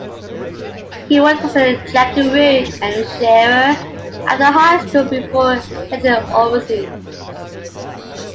He worked as a jackaroo and shearer after high school, before heading overseas.